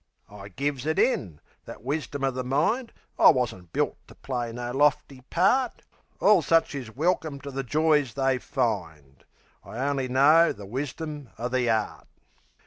I gives it in that wisdom o' the mind I wasn't built to play no lofty part. Orl such is welkim to the joys they find; I only know the wisdom o' the 'eart.